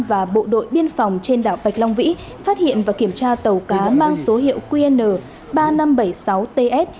và bộ đội biên phòng trên đảo bạch long vĩ phát hiện và kiểm tra tàu cá mang số hiệu qn ba nghìn năm trăm bảy mươi sáu ts